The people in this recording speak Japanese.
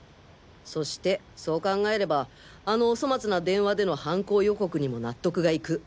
そしてそう考えればあのお粗末な電話での犯行予告にも納得がいく。